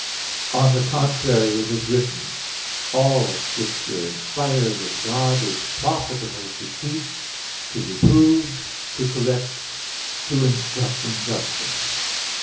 On the contrary, It is written (2 Tim. 3:16): "All Scripture inspired of God is profitable to teach, to reprove, to correct, to instruct in justice."